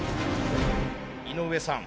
井上さん